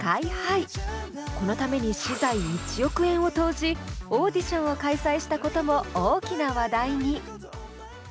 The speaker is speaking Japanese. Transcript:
このために私財１億円を投じオーディションを開催したことも大きな話題に。